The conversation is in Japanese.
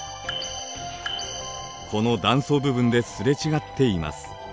この断層部分ですれ違っています。